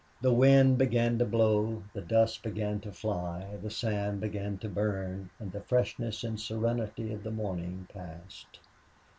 The wind began to blow, the dust began to fly, the sun began to burn; and the freshness and serenity of the morning passed.